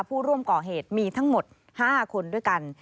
ผู้ร่วมก่อเหตุมีทั้งหมด๕คนด้วยกัน